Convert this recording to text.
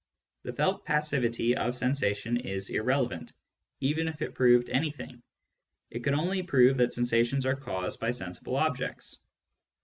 The felt passivity of sensation is irrelevant, since, even if it proved anything, it could only prove that sensations are caused by sensible objects.